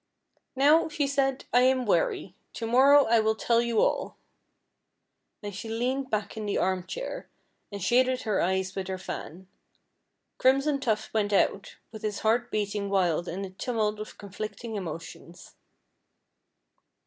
"Now," she said, "I am weary. To morrow I will tell you all." And she leaned back in the arm chair, and shaded her eyes with her fan. Crimson Tuft went out, with his heart beating wild in a tumult of conflicting emotions.